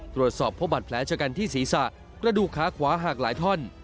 ตรวจสอบพบบัตรแผลชะกันที่ศีรษะกระดูกขาขวาหักหลายท่อน